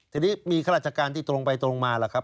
ทีนี้มีข้าราชการที่ตรงไปตรงมาล่ะครับ